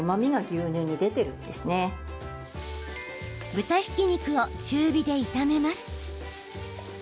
豚ひき肉を中火で炒めます。